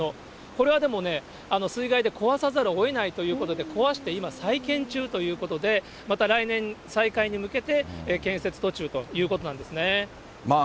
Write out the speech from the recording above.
これはでもね、水害で壊さざるをえないということで、壊して今再建中ということで、また来年、再開に向けて建設途中ということなんですね。